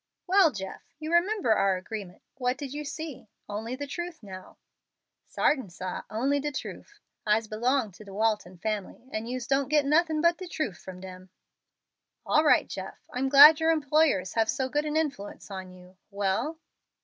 "Well, Jeff, you remember our agreement. What did you see? Only the truth now." "Sartin, sah, only de truf. I'se belong to de Walton family, and yous doesn't get nothin' but de truf from dem." "All right, Jeff; I'm glad your employers have so good an influence on you. Well?"